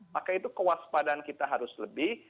maka itu kewaspadaan kita harus lebih